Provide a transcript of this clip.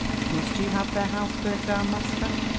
''Must vou have their house burnt down, master